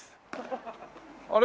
あれ？